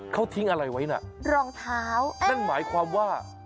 เขาทิ้งอะไรไว้น่ะนั่นหมายความว่ารองเท้า